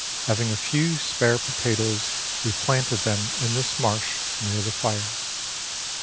Having a few spare potatoes, we planted them in this marsh near the fire.